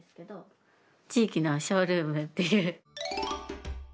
地域のショールームっていう。